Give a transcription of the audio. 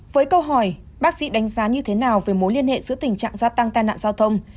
với câu hỏi bác sĩ đánh giá như thế nào về mối liên hệ giữa tình trạng gia tăng tai nạn giao thông